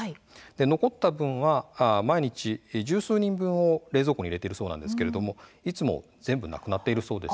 残った分は毎日、十数人分を冷蔵庫に入れているそうなんですけれどもいつも全部なくなっているそうです。